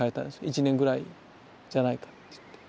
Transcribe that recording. １年ぐらいじゃないかっつって。